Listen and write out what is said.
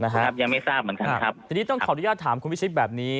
ทีนี้ต้องขออนุญาตถามคุณวิชิบแบบนี้